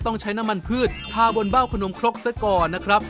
ต้องใช้น้ำมันพืชทาบนเบ้าขนมครกซะก่อนนะครับ